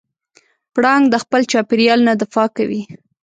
پړانګ د خپل چاپېریال نه دفاع کوي.